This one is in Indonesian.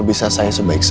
sebisa saya sebaik saya